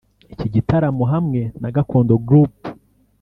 Iki gitaramo hamwe na “Gakondo Group”